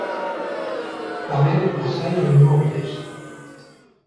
Tamén as hai inmóbiles.